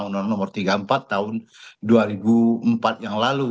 undang undang nomor tiga puluh empat tahun dua ribu empat yang lalu